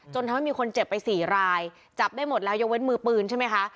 ทำให้มีคนเจ็บไปสี่รายจับได้หมดแล้วยกเว้นมือปืนใช่ไหมคะ